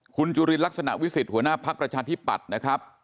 คุณจุฬิลักษณะวิสิตหัวหน้าพรรคประชาธิปัตรนะครับ